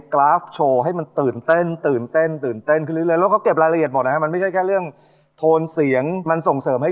จากใจแฟนเก่ามาร่วมไว้พ้นหั่นพักกันไล่ลาย